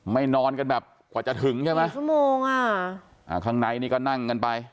นอนกันแบบกว่าจะถึงใช่ไหมชั่วโมงอ่ะอ่าข้างในนี่ก็นั่งกันไป